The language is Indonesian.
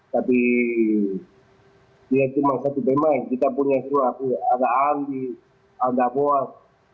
tapi dia cuma satu pemain kita punya semua ada andi ada moaz